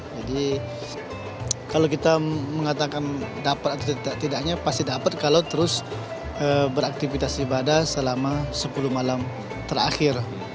kalau kita mengatakan dapat atau tidaknya pasti dapat kalau terus beraktivitas ibadah selama sepuluh malam terakhir